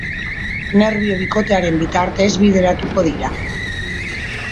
Nerbio bikotearen bitartez bideratuko dira.